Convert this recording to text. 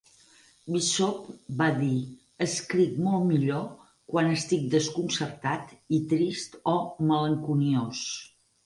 Bishop va dir: escric molt millor quan estic desconcertat i trist o malenconiós.